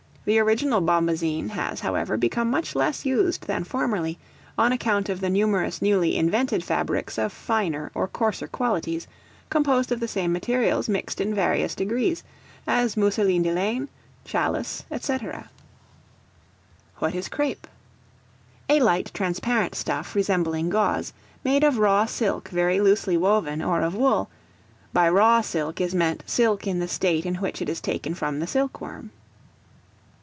The original bombazine has, however, become much less used than formerly, on account of the numerous newly invented fabrics of finer or coarser qualities, composed of the same materials mixed in various degrees, as Mousselines de laine, Challis, &c. What is Crape? A light, transparent stuff, resembling gauze, made of raw silk very loosely woven, or of wool; by raw silk is meant, silk in the state in which it is taken from the silk worm.